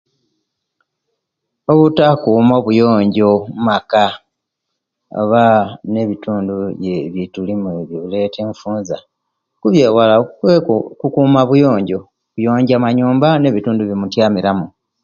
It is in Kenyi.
Obutakuma obuyonjo omumaka oba ebitundu ebitulimu bireta enfunza kubiyewala kukuma buyonjo kuyoja manyumba ne bitundu ebiyemutiyamira mu